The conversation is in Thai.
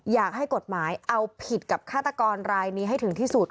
อยากให้กฎหมายเอาผิดกับฆาตกรรายนี้ให้ถึงที่สุด